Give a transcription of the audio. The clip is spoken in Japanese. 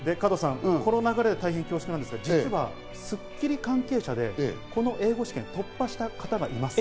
この流れで恐縮なんですが、『スッキリ』関係者でこの英語試験に突破した方がいます。